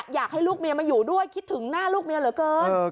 อยากให้ลูกเมียมาอยู่ด้วยคิดถึงหน้าลูกเมียเหลือเกิน